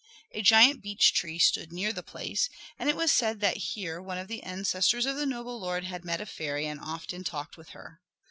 A giant beech tree stood near the place, and it was said that here one of the ancestors of the noble lord had met a fairy and often talked with her.